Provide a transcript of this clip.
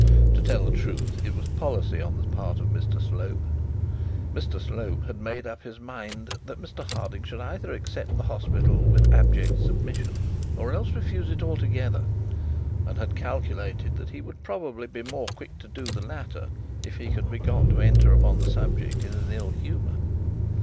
To tell the truth, it was policy on the part of Mr Slope. Mr Slope had made up his mind that Mr Harding should either accept the hospital with abject submission, or else refuse it altogether; and had calculated that he would probably be more quick to do the latter, if he could be got to enter upon the subject in all ill humour.